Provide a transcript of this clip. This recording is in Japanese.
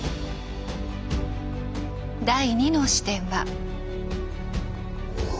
第２の視点は。